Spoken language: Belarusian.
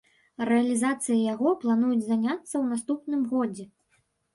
Рэалізацыяй яго плануюць заняцца ў наступным годзе.